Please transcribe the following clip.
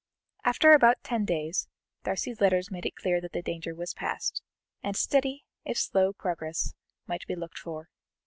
After about ten days, Darcy's letters made it clear that the danger was past, and steady, if slow, progress might be looked for.